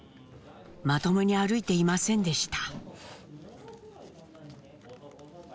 まともに歩いていませんでした。